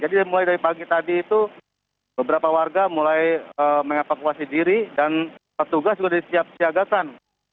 jadi mulai dari pagi tadi itu beberapa warga mulai mengevakuasi diri dan petugas sudah disiap siagakan